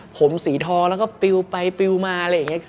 ผมสีทองแล้วก็ปิวไปปิวมาอะไรอย่างนี้